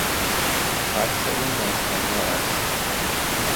خط او ناخوانا است.